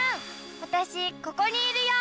わたしここにいるよ。